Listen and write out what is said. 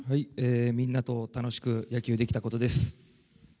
みんなと楽しく野球できたことです。